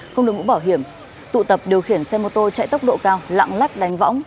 không được bỏ hiểm tụ tập điều khiển xe mô tô chạy tốc độ cao lặng lách đánh võng